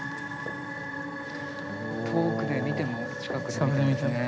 遠くで見ても近くで見てもね。